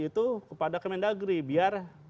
itu kepada kementdagri biar